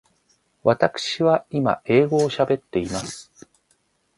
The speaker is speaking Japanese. わたくしは今英語を喋っています。